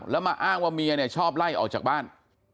แล้วมาอ้างว่าเมียเนี่ยชอบไล่ออกจากบ้าน